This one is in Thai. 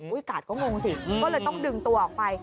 กาดก็งงสิก็เลยต้องดึงตัวออกไป